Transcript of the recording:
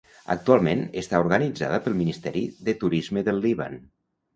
Actualment està organitzada pel Ministeri de Turisme del Líban.